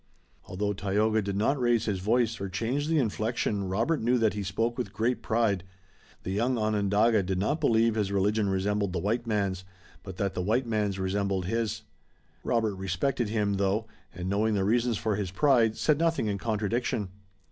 Although Tayoga did not raise his voice or change the inflection Robert knew that he spoke with great pride. The young Onondaga did not believe his religion resembled the white man's but that the white man's resembled his. Robert respected him though, and knowing the reasons for his pride, said nothing in contradiction.